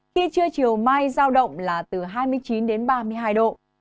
kia trưa chiều mai giao động là từ hai mươi chín đến ba mươi hai độ